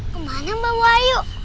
kemana mbah wayu